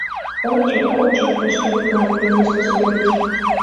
— Ончо, ончо, тышке пура! — пелештыш Веруш.